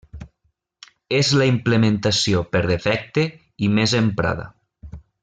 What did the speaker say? És la implementació per defecte i més emprada.